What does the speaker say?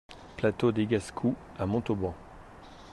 Plateau des Gascous à Montauban